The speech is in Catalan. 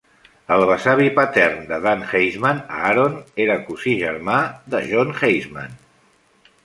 El besavi patern de Dan Heisman, Aaron, era cosí germà de John Heisman.